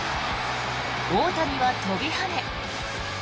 大谷は飛び跳ね